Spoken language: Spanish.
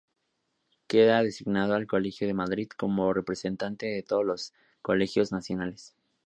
Queda designado el colegio de Madrid como representante de todos los colegios nacionales.